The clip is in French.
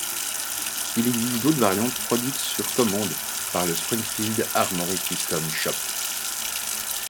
Il existe d'autres variantes produites sur commande par le Springfield Armory Custom Shop.